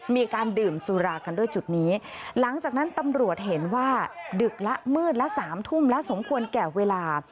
มีการดื่มสุรากันด้วยจุดนี้หลังจากนั้นตำรวจเห็นว่าดึกละมืดละสามทุ่มแล้วสมควรแก่เวลา